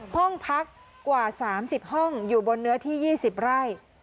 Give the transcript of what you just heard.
ห้องพักกว่า๓๐ห้องอยู่บนเนื้อที่๒๐ไร่